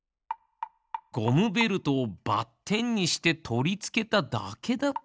ゴムベルトをばってんにしてとりつけただけだったんです。